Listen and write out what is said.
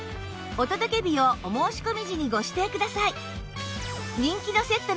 お届け日をお申し込み時にご指定ください